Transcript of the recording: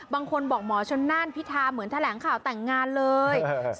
บางคนบอกหมอชนนั่นพิธาเหมือนแถลงข่าวแต่งงานเลย